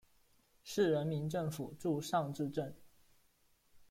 市人民政府驻尚志镇。